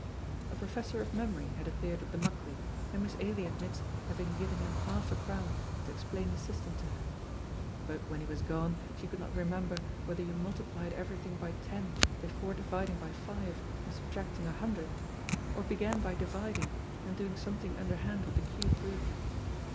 A Professor of Memory had appeared at the Muckley, and Miss Ailie admits having given him half a crown to explain his system to her. But when he was gone she could not remember whether you multiplied everything by ten before dividing by five and subtracting a hundred, or began by dividing and doing something underhand with the cube root.